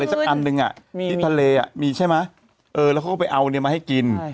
ละเขาก็ไปเอานี่มาให้กิน